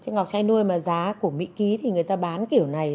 ngọc chay nuôi mà giá của mỹ ký thì người ta bán kiểu này